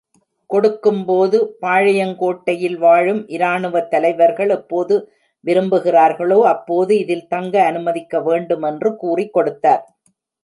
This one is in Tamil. கொடுக்கும்போது பாளையங்கோட்டையில் வாழும் இராணுவத்தலைவர்கள் எப்போது விரும்புகிறார்களோ, அப்போது இதில் தங்க அனுமதிக்க வேண்டும் என்று கூறிக் கொடுத்தார்.